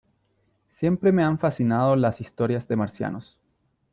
Siempre me han fascinado las historias de marcianos.